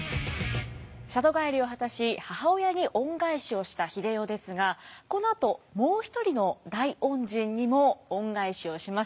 里帰りを果たし母親に恩返しをした英世ですがこのあともう一人の大恩人にも恩返しをします。